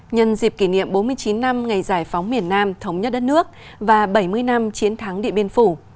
nhân dịp kỷ niệm bốn mươi chín năm ngày giải phóng miền nam thống nhất đất nước và bảy mươi năm chiến thắng địa biên phủ